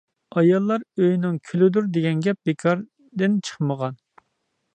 «ئاياللار ئۆينىڭ گۈلىدۇر» دېگەن گەپ بىكاردىن چىقمىغان.